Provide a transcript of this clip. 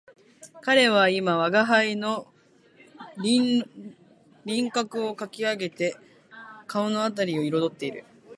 彼は今吾輩の輪廓をかき上げて顔のあたりを色彩っている